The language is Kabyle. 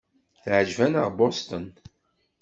Teɛjeb-aneɣ Boston.